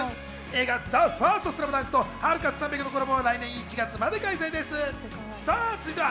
映画『ＴＨＥＦＩＲＳＴＳＬＡＭＤＵＮＫ』とハルカス３００のコラボは来年１月まで開催です。